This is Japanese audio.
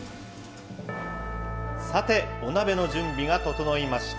さてお鍋の準備が整いました。